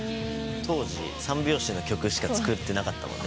当時３拍子の曲しか作ってなかった。